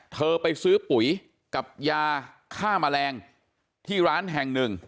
เธอไปซื้อปุ๋ยกับยาฆ่าแมลงที่ร้านแห่งหนึ่ง